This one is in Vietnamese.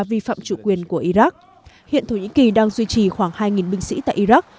vi phạm chủ quyền của iraq hiện thổ nhĩ kỳ đang duy trì khoảng hai binh sĩ tại iraq